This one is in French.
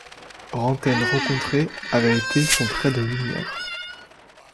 Rantaine rencontré avait été son trait de lumière.